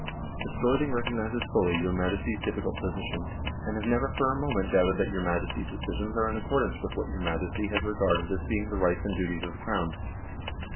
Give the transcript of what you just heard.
The Storthing recognises fully your Majesty's diffi 120 NORWAY AND THE UNION WITH SWEDEN cult position, and has never for a moment doubted that your Majesty's decisions are in accordance with what your Majesty has regarded as being the rights and duties of the Crown.